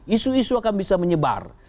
isu isu akan bisa menyebar